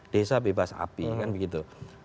desa bebas api kan begitu